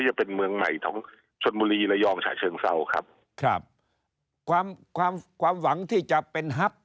อันนั้นยังอยู่นะฮะ